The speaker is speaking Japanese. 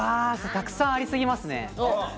たくさんあり過ぎますね。